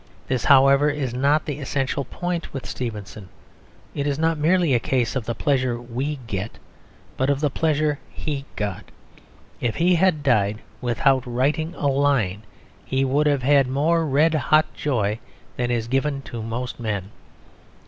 This, however, is not the essential point; with Stevenson it is not merely a case of the pleasure we get, but of the pleasure he got. If he had died without writing a line, he would have had more red hot joy than is given to most men.